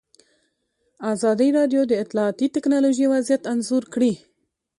ازادي راډیو د اطلاعاتی تکنالوژي وضعیت انځور کړی.